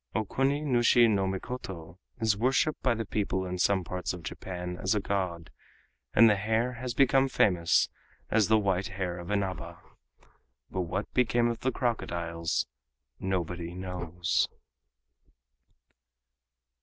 Okuni nushi no Mikoto is worshiped by the people in some parts of Japan, as a god, and the hare has become famous as "The White Hare of Inaba." But what became of the crocodiles nobody knows.